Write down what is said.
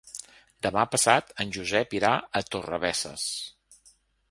Demà passat en Josep irà a Torrebesses.